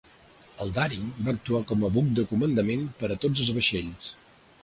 El "Daring" va actuar com a buc de comandament per a tots els vaixells.